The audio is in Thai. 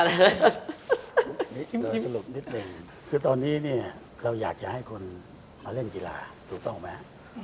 นี่สรุปนิดหนึ่งคือตอนนี้เราอยากจะให้คนมาเล่นกีฬาถูกต้องไหม